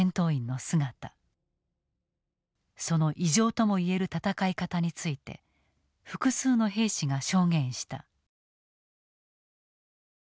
その異常ともいえる戦い方について複数の兵士が証言した。